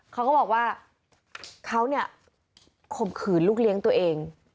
เขาก็บอกว่าเขาเนี่ยข่มขืนลูกเลี้ยงตัวเอง